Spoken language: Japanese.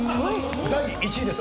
第１位です。